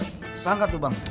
sesan kan tuh bang